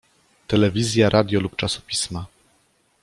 Telewizja, radio lub czasopisma.